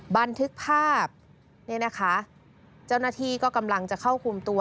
บันทึกภาพเนี่ยนะคะเจ้าหน้าที่ก็กำลังจะเข้าคุมตัว